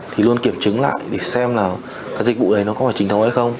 thì luôn kiểm chứng lại để xem là dịch vụ này có phải chính thống hay không